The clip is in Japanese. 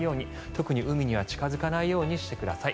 特に海には近付かないようにしてください。